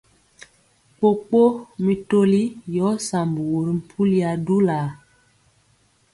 Kpokpo mi toli yɔɔ sambugu ri mpuli adulaa.